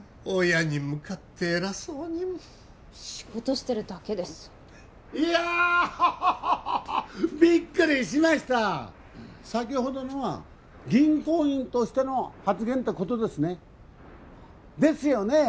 親に向かって偉そうに仕事してるだけですいやハッハハハびっくりしました先ほどのは銀行員としての発言ってことですね？ですよね？